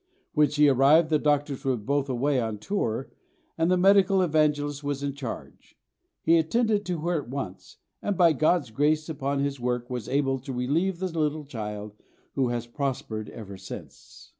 When she arrived, the doctors were both away on tour, and the medical Evangelist was in charge. He attended to her at once, and by God's grace upon his work was able to relieve the little child, who has prospered ever since.